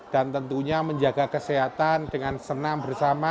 dan tentunya menjaga kesehatan dengan senam bersama